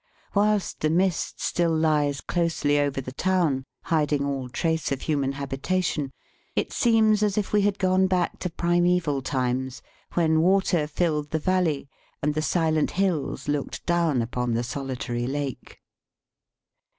Whilst the mist still lies closely over the town, hiding all trace of human habitation, it seems as if we had gone back to Digitized by VjOOQIC THE CAPITAL OF THE MIKADOS. 67 primaBval times, when water filled the valley and the silent hills looked down upon the solitary lake.